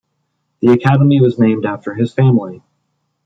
The Academy was named after his family.